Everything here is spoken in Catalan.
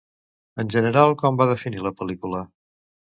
En general, com van definir la pel·lícula?